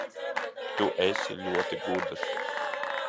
Tu esi ļoti gudrs.